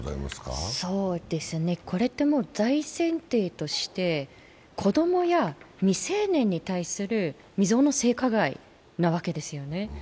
これって、もう大前提として子供や未成年に対する未曾有の性加害なわけですよね。